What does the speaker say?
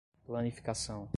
Planificação